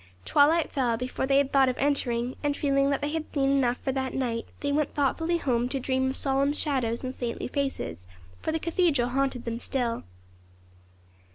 Twilight fell before they had thought of entering, and feeling that they had seen enough for that night, they went thoughtfully home to dream of solemn shadows and saintly faces, for the cathedral haunted them still.